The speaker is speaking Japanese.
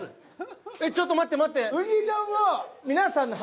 えっちょっと待って待って。